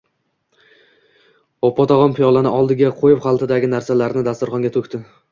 Opog‘otam piyolani oldiga qo‘yib, xaltadagi narsalarni dasturxonga to‘kdi